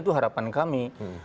itu harapan kami